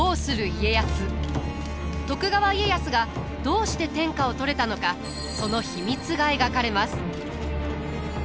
徳川家康がどうして天下を取れたのかその秘密が描かれます。